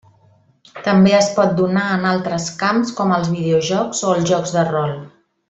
També es pot donar en altres camps com els videojocs o els jocs de rol.